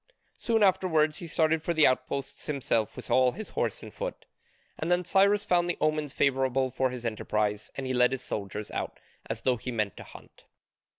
Soon afterwards he started for the outposts himself with all his horse and foot, and then Cyrus found the omens favourable for his enterprise, and led his soldiers out as though he meant to hunt.